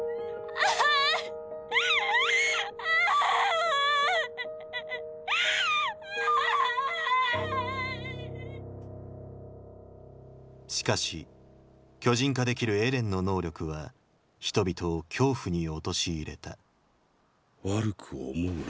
あぁぁ！しかし巨人化できるエレンの能力は人々を恐怖に陥れた悪く思うな。